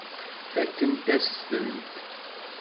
Fakkent-as-tent.